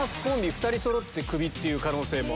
２人そろってクビっていう可能性も。